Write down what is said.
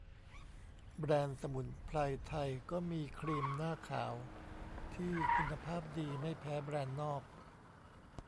แบรนด์สมุนไพรไทยก็มีครีมหน้าขาวที่คุณภาพดีไม่แพ้แบรนด์นอก